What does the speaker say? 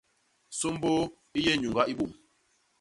Sômbôô i yé nyuñga i bôm.